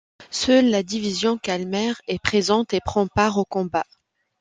Seule la division Chalmers est présente et prend part au combat.